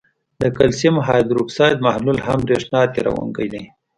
د کلسیم هایدروکساید محلول هم برېښنا تیروونکی دی.